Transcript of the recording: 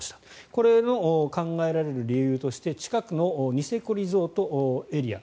これの考えられる理由として近くのニセコリゾートエリア